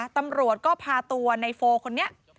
ตำรวจก็พาตัวในโฟคนนี้